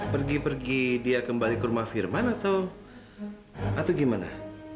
pergi pergi dia kembali ke rumah firman atau gimana